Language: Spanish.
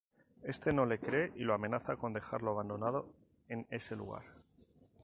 Este no le cree y lo amenaza con dejarlo abandonado en ese lugar.